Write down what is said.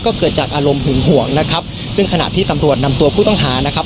ก็เกิดจากอารมณ์หึงห่วงนะครับซึ่งขณะที่ตำรวจนำตัวผู้ต้องหานะครับ